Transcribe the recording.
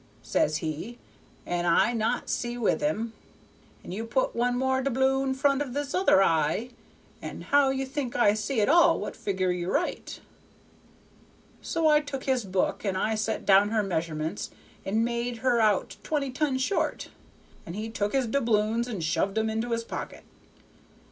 _' says he, 'an' I not see with him; and you put one more doubloon front of other eye, and how you think I see at all what figger you write?' So I took his book and I set down her measurements and made her out twenty ton short, and he took his doubloons and shoved 'em into his pocket.